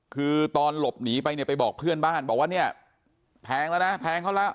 คือตอนหลบหนีไปเนี่ยไปบอกเพื่อนบ้านบอกว่าเนี่ยแพงแล้วนะแทงเขาแล้ว